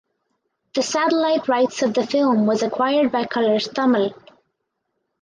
The Satellite Rights of the Film was acquired by Colors Tamil.